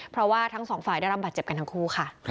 เพราะว่าทั้งสองฝ่ายได้รับบาดเจ็บกันทั้งคู่ค่ะ